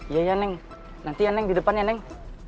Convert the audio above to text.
iya ya neng nanti ya neng di depannya neng